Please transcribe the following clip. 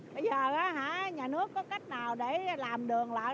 bây giờ nhà nước có cách nào để làm đường lại